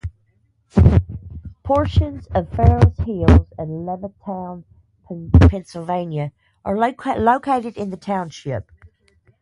Portions of Fairless Hills and Levittown, Pennsylvania, are located in the township.